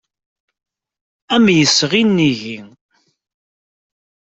Am yesɣi nnig-i.